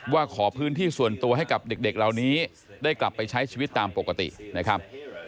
ว่าขอพื้นที่ส่วนตัวให้กับเด็กเหล่านี้ได้กลับไปใช้ชีวิตตามปกตินะครับ